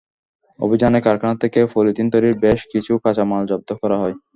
অভিযানে কারখানা থেকে পলিথিন তৈরির বেশ কিছু কাঁচামাল জব্দ করা হয়।